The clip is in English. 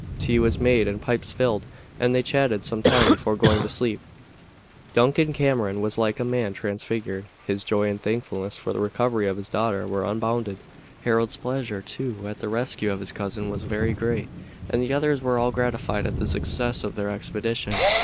Tea was made and pipes filled, and they chatted some time before going to sleep. Duncan Cameron was like a man transfigured. His joy and thankfulness for the recovery of his daughter were unbounded. Harold's pleasure, too, at the rescue of his cousin was very great, and the others were all gratified at the success of their expedition.